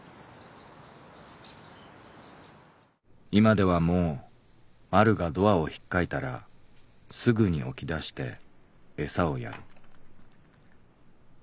「いまではもうまるがドアをひっかいたらすぐに起き出してエサをやる。